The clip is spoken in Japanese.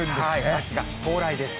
秋が到来です。